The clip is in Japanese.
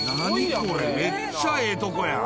これ、めっちゃええとこやん。